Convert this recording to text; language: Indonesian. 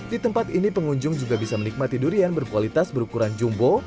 di tempat ini pengunjung juga bisa menikmati durian berkualitas berukuran jumbo